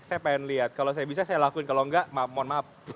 saya pengen lihat kalau saya bisa saya lakuin kalau enggak mohon maaf